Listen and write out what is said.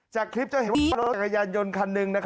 จากคลิปจะเห็นว่ารถจักรยานยนต์คันหนึ่ง